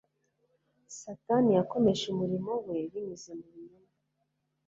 Satani yakomeje umurimo we binyuze mu binyoma;